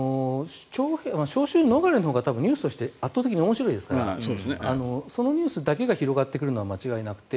招集逃れのほうがニュースとして圧倒的に面白いですからそのニュースだけが広がってくるのは間違いなくて。